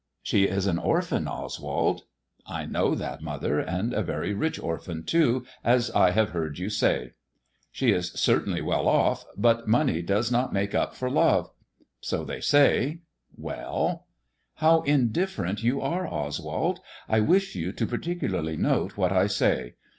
" She is an orphan, Oswald." " I know that, mother. And a very rich orphan, too, as [ have heard you say." She is certainly well off. But money does not make ip for love." « So they say. Well 1 "How indifferent you are, Oswald. I wish you to par icularly note what I say.